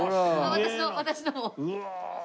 私の私のも。